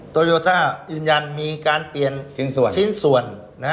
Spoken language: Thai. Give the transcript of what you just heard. โยต้ายืนยันมีการเปลี่ยนชิ้นส่วน